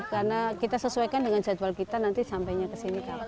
karena kita sesuaikan dengan jadwal kita nanti sampainya ke sini kapal